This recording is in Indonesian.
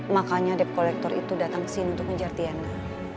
makanya depkolektor itu datang kesini untuk menjar tiana